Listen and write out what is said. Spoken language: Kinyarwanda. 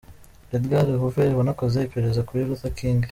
Edgar Hoover, wanakoze iperereza kuri Luther King.